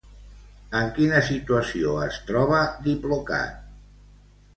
En quina situació es troba Diplocat?